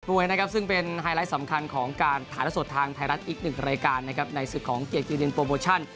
มวยก็เป็นไฮไลต์สำคัญของการถ่าและสดทางไทยรัดอีก๑รายการในศึกของเกียรติ์เกียรินโปรโมชั่น